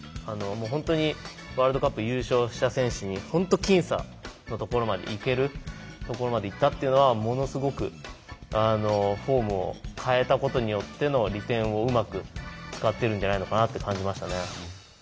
本当にワールドカップ優勝した選手に本当僅差のところまでいけるいったっていうのはものすごくフォームを変えたことによっての利点をうまく使ってるんじゃないのかなって感じましたね。